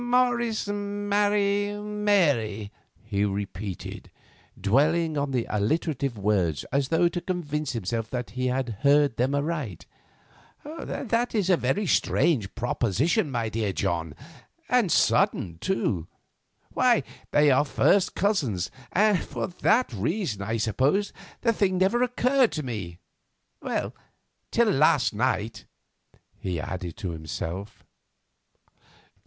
"Morris marry Mary," he repeated, dwelling on the alliterative words as though to convince himself that he had heard them aright. "That is a very strange proposition, my dear John, and sudden, too. Why, they are first cousins, and for that reason, I suppose, the thing never occurred to me—till last night," he added to himself.